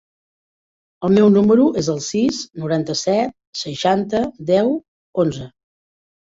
El meu número es el sis, noranta-set, seixanta, deu, onze.